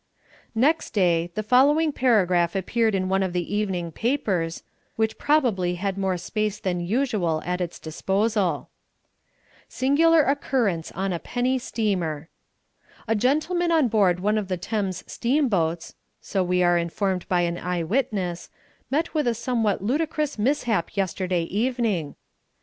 Next day the following paragraph appeared in one of the evening papers, which probably had more space than usual at its disposal: "SINGULAR OCCURRENCE ON A PENNY STEAMER "A gentleman on board one of the Thames steamboats (so we are informed by an eye witness) met with a somewhat ludicrous mishap yesterday evening.